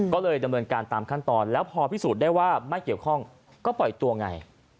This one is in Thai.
ก็เลยดำเนินการตามขั้นตอนแล้วพอพิสูจน์ได้ว่าไม่เกี่ยวข้องก็ปล่อยตัวไง